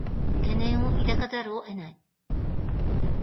懸念を抱かざるを得ない